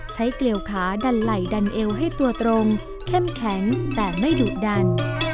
เกลียวขาดันไหล่ดันเอวให้ตัวตรงเข้มแข็งแต่ไม่ดุดัน